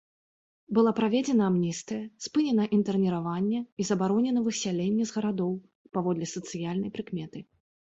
Была праведзена амністыя, спынена інтэрніраванне і забаронена высяленне з гарадоў паводле сацыяльнай прыкметы.